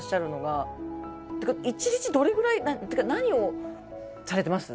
一日どれぐらいっていうか何をされてます？